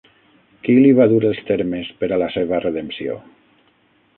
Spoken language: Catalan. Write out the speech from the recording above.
Qui li va dur els termes per a la seva redempció?